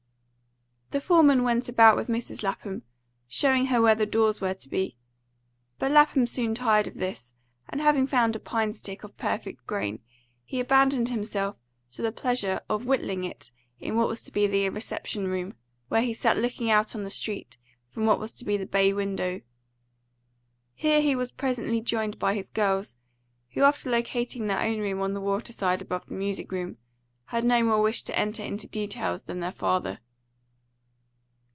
The foreman went about with Mrs. Lapham, showing her where the doors were to be; but Lapham soon tired of this, and having found a pine stick of perfect grain, he abandoned himself to the pleasure of whittling it in what was to be the reception room, where he sat looking out on the street from what was to be the bay window. Here he was presently joined by his girls, who, after locating their own room on the water side above the music room, had no more wish to enter into details than their father.